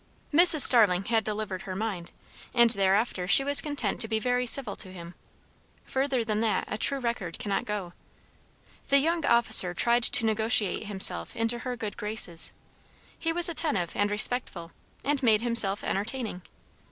Starling had delivered her mind, and thereafter she was content to be very civil to him. Further than that a true record cannot go. The young officer tried to negotiate himself into her good graces; he was attentive and respectful, and made himself entertaining.